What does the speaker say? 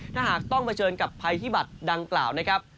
ถ้าหากต้องเผชิญกับภัยพิบัตรดังกล่าวนะครับ